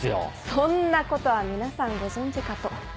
そんなことは皆さんご存じかと。